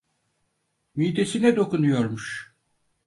Midesine dokunuyormuş.